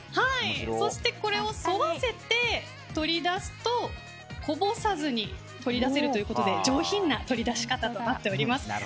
そして、これを沿わせて取り出すとこぼさずに取り出せるということで上品な取り出し方となっております。